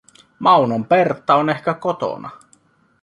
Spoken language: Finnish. Maunon Pertta on ehkä kotona.